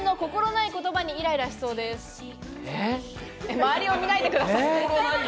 周りを見ないでください。